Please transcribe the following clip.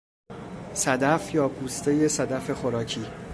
صدف یا پوستهی صدف خوراکی